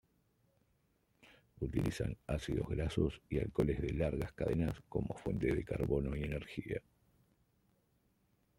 Utilizan ácidos grasos y alcoholes de largas cadenas como fuentes de carbono y energía.